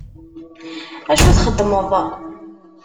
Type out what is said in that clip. Acu txeddmeḍ!